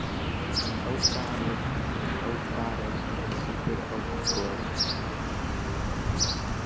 The oak-god would have his oak-goddess in the sacred oak-grove.